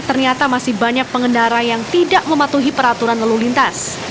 ternyata masih banyak pengendara yang tidak mematuhi peraturan lalu lintas